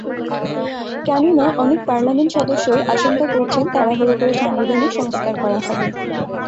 কেননা, অনেক পার্লামেন্ট সদস্যই আশঙ্কা করছেন, তাড়াহুড়া করে সাংবিধানিক সংস্কার করা হবে।